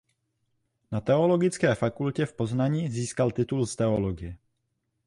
Na Teologické fakultě v Poznani získal titul z teologie.